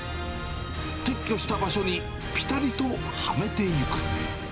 撤去した場所にぴたりとはめていく。